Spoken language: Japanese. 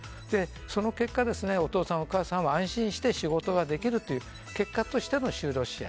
その結果、お父さんお母さんは安心して仕事ができるという結果としての就労支援。